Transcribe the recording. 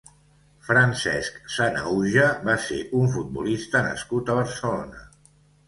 Francesc Sanahuja va ser un futbolista nascut a Barcelona.